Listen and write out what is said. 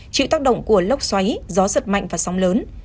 chịu tác động của lốc xoáy gió giật mạnh và sóng lớn